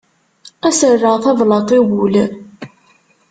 Ad as-rreɣ tablaḍt i wul.